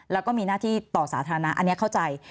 แล้วก็มีหน้าที่ต่อสาธารณะอันนี้เข้าใจ